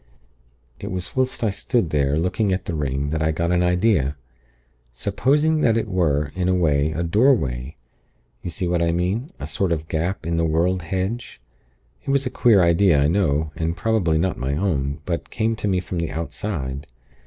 "It was whilst I stood there, looking at the ring, that I got an idea. Supposing that it were, in a way, a doorway You see what I mean? A sort of gap in the world hedge. It was a queer idea, I know, and probably was not my own, but came to me from the Outside.